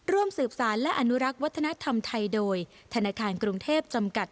ร่วมสืบสารและอนุรักษ์วัฒนธรรมไทยโดยธนาคารกรุงเทพจำกัด